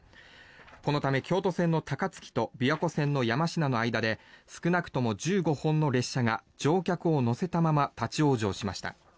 このため京都線の高槻と琵琶湖線の山科の間で少なくとも１５本の列車が乗客を乗せたまま立ち往生しました。